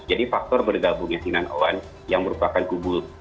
jadi faktor bergabungnya sinan oan yang merupakan kubur